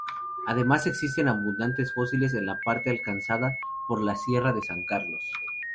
Además existen abundantes fósiles en la parte alcanzada por la sierra de San Carlos.